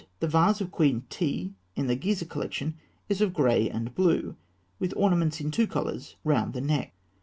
The vase of Queen Tii in the Gizeh collection is of grey and blue, with ornaments in two colours round the neck.